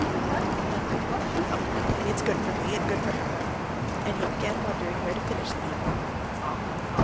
"Well, what then? Oh, nothing. It's good for me, and good for her." And he began wondering where to finish the evening.